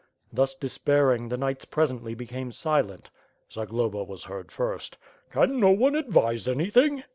Thus despairing, the knights presently became silent. Zagloba was heard first: "Can no one advise anything?"